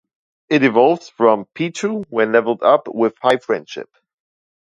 It evolves from Pichu when leveled up with high friendship.